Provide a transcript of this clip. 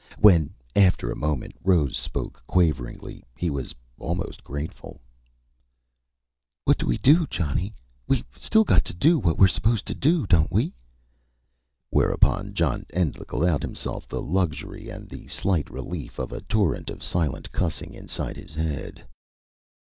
When, after a moment, Rose spoke quaveringly, he was almost grateful: "What do we do, Johnny? We've still got to do what we're supposed to do, don't we?" Whereupon John Endlich allowed himself the luxury and the slight relief of a torrent of silent cussing inside his head.